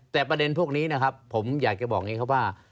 แต่ประเด็นพวกนี้นะครับผมอยากจะบอกอย่างนี้ครับว่า